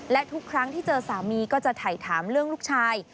และทุกครั้งที่เจอสามีก็จะถ่ายถามเรื่องลูกชาย